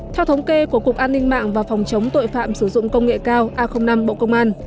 theo thống kê của cục an ninh mạng và phòng chống tội phạm sử dụng công nghệ cao a năm bộ công an